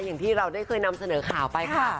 อย่างที่เราได้เคยนำเสนอข่าวไปค่ะ